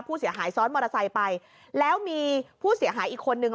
ผู้เสียหายซ้อนมอเตอร์ไซค์ไปแล้วมีผู้เสียหายอีกคนนึง